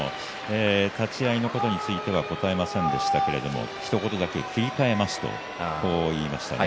立ち合いのことについて答えませんでしたけどひと言だけ切り替えますと言いました。